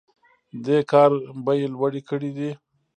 دې کار بیې لوړې کړي دي.